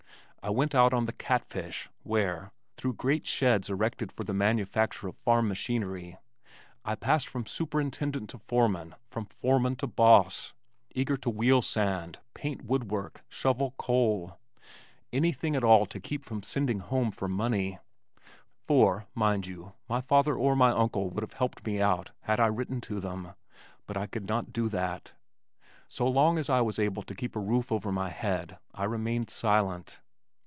I went out on the Catfish, where, through great sheds erected for the manufacture of farm machinery, I passed from superintendent to foreman, from foreman to boss, eager to wheel sand, paint woodwork, shovel coal anything at all to keep from sending home for money for, mind you, my father or my uncle would have helped me out had I written to them, but I could not do that. So long as I was able to keep a roof over my head, I remained silent.